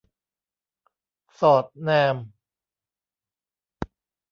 สอดแนม